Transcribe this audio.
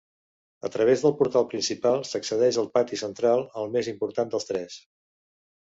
A través del portal principal s'accedeix al pati central, el més important dels tres.